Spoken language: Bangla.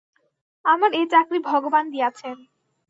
আমার এ চাকরি ভগবান দিয়াছেন।